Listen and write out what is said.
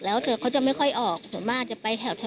เมื่อคืนก็แค่ขอตังค์ไปบอกว่าเออขอไปแถวร้านค้าจะไปซื้อของ